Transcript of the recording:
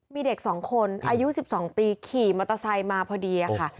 มีเด็ก๒คนอายุ๑๒ปีขี่มอเตอร์ไซค์มาพอดีค่ะ